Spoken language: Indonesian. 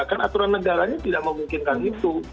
kan aturan negaranya tidak memungkinkan itu